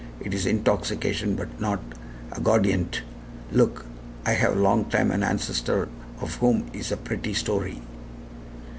It is intoxication but not of aguardiente. Look! I have long time an ancestor of whom is a pretty story.